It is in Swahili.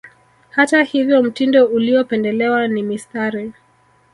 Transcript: Hata hivyo mtindo uliopendelewa ni mistari